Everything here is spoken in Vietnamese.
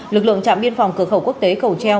lực lượng trạm biên phòng cửa khẩu quốc tế cầu treo